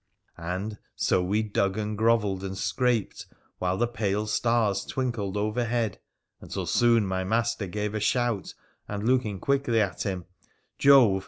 And so we dug and grovelled and scraped, while the pale stars twinkled overhead, until soon my master gave a shout, and looking quickly at him — Jove